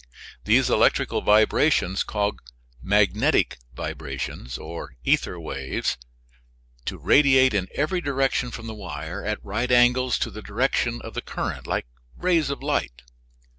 These electrical vibrations cause magnetic vibrations, or ether waves, to radiate in every direction from the wire, at right angles to the direction of the current, like rays of light.